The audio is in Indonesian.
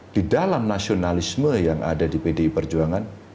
di dalam nasionalisme yang ada di pdi perjuangan